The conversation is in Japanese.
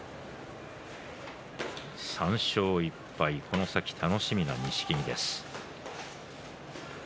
３勝１敗、この先楽しみな錦木です。